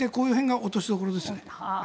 この辺が落としどころですね。